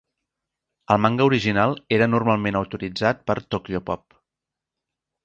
El manga original era normalment autoritzat per Tokyopop.